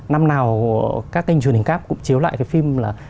năm nào các kênh truyền hình cáp cũng chiếu lại cái phim là